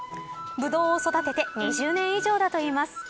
ブドウを育てて２０年以上だといいます。